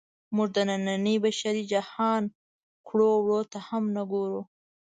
موږ د ننني بشري جهان کړو وړو ته هم نه ګورو.